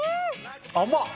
甘っ！